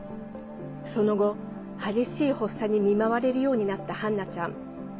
その後、激しい発作に見舞われるようになったハンナちゃん。